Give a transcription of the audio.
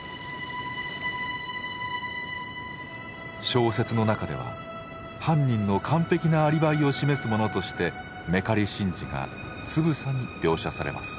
小説の中では犯人の完璧なアリバイを示すものとして和布刈神事がつぶさに描写されます。